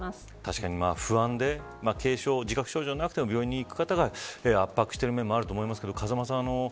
確かに不安で自覚症状がなくても病院に行く方が圧迫している面もあると思いますが風間さん